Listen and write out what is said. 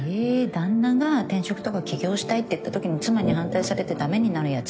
旦那が転職とか起業したいって言ったときに妻に反対されてだめになるやつ。